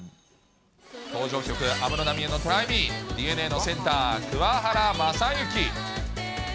登場曲、安室奈美恵のトライミー、ＤｅＮＡのセンター、桑原将志。